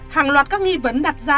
hàng loạt các nghi vấn đặt ra